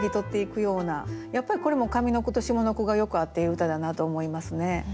やっぱりこれも上の句と下の句がよく合っている歌だなと思いますね。